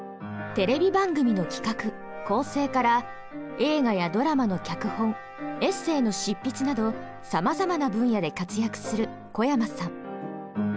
テレビ番組の企画・構成から映画やドラマの脚本エッセイの執筆などさまざまな分野で活躍する小山さん。